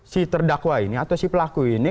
si terdakwa ini atau si pelaku ini